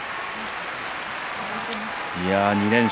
２連勝。